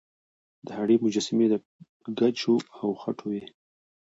د هډې مجسمې د ګچو او خټو وې